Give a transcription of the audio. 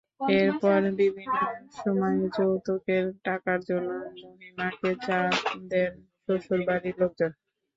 এরপর বিভিন্ন সময়ে যৌতুকের টাকার জন্য মাহিমাকে চাপ দেন শ্বশুরবাড়ির লোকজন।